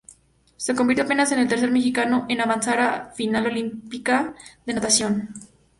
Se convirtió apenas en el tercer mexicano en avanzar a final olímpica de natación.